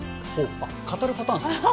語るパターンですね。